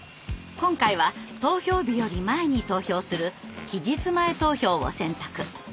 今回は投票日より前に投票する期日前投票を選択。